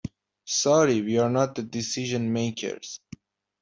Sorry we're not the decision makers.